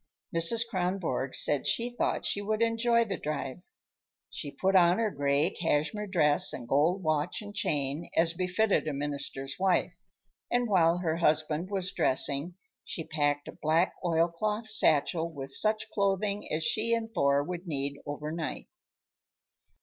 Mrs. Kronborg said she thought she would enjoy the drive. She put on her gray cashmere dress and gold watch and chain, as befitted a minister's wife, and while her husband was dressing she packed a black oilcloth satchel with such clothing as she and Thor would need overnight.